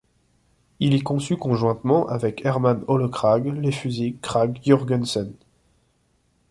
Il y conçut conjointement avec Herman Ole Krag les fusils Krag-Jørgensen.